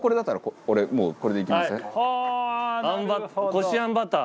こしあんバター。